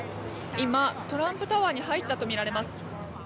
今、トランプタワーに入ったとみられます。